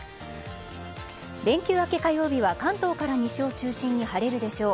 連休明け火曜日は関東から西を中心に晴れるでしょう。